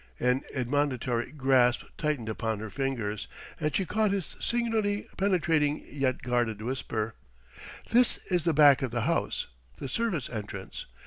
An admonitory grasp tightened upon her fingers, and she caught his singularly penetrating yet guarded whisper: "This is the back of the house the service entrance.